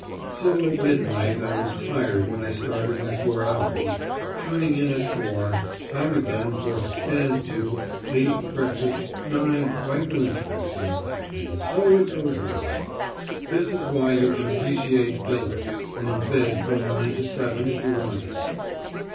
So at midnight I was tired when I started my four hours, turned in at 4.0, out again for 'stand to,' 8.0 breakfast, 9.0 rifle inspection, and so it goes on! That is why you can appreciate billets, and bed from 9.0 to 7.0 if you want it.